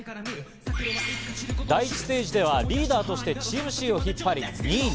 第１ステージではリーダーとしてチームＣを引っ張り２位に。